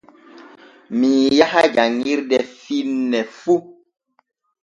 Mii yaha janŋirde finne fu.